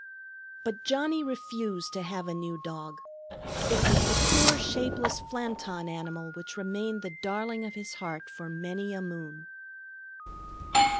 But Johnnie refused to have a new dog. It was the poor, shapeless Flanton animal which remained the darling of his heart for many a moon.